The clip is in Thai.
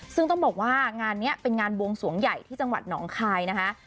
ซึ่งต้องบอกว่างานนี้เป็นงานบวงสวงใหญ่ที่จังหวัดหนองคายนะคะ